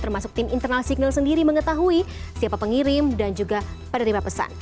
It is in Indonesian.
termasuk tim internal signal sendiri mengetahui siapa pengirim dan juga penerima pesan